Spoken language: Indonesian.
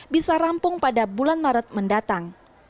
bisa rampung pada bulan maret mendatang